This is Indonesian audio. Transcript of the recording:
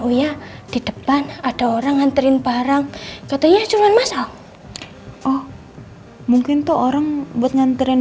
oh ya di depan ada orang nganterin barang katanya cuma masal oh mungkin tuh orang buat nganterin